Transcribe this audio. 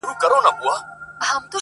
ومي د سترګو نګهبان لکه باڼه ملګري,